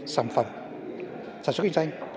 sản xuất kinh doanh